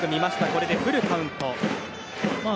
これでフルカウント。